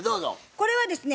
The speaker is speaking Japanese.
これはですね